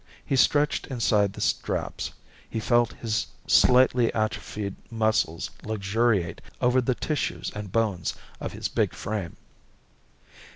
He stretched inside the straps. He felt his slightly atrophied muscles luxuriate over the tissues and bones of his big frame.